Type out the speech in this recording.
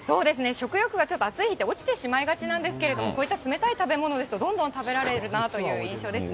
食欲が、ちょっと暑い日って落ちてしまいがちなんですけれども、こういった冷たい食べ物ですとどんどん食べられるなという印象ですね。